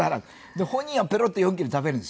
で本人はペロッと４切れ食べるんですよ。